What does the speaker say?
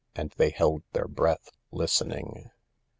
And they held their breath, listening.